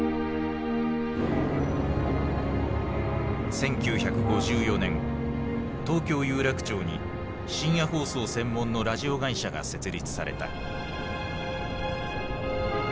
１９５４年東京・有楽町に深夜放送専門のラジオ会社が設立された。